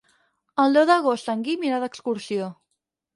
El deu d'agost en Guim irà d'excursió.